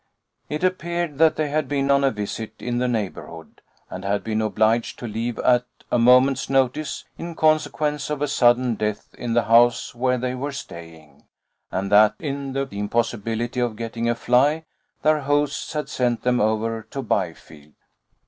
It appeared that they had been on a visit in the neighbourhood, and had been obliged to leave at a moment's notice in consequence of a sudden death in the house where they were staying, and that, in the impossibility of getting a fly, their hosts had sent them over to Byfield.